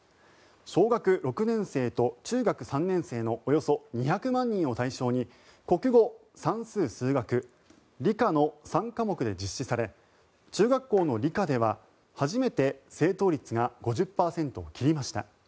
小学６年生と中学３年生のおよそ２００万人を対象に国語、算数・数学、理科の３科目で実施され中学校の理科では初めて正答率が５０％を切りました。